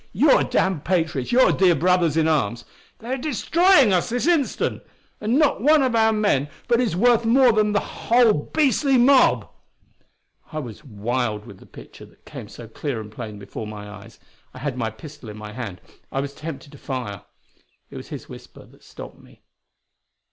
Your damned patriots, your dear brothers in arms they are destroying us this instant! And not one of our men but is worth more than the whole beastly mob!" I was wild with the picture that came so clear and plain before my eyes. I had my pistol in my hand; I was tempted to fire. It was his whisper that stopped me.